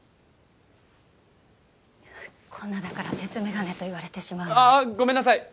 こんなだから鉄眼鏡と言われてしまうのねごめんなさい！